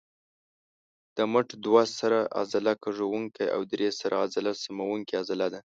د مټ دوه سره عضله کږوونکې او درې سره عضله سموونکې عضله ده.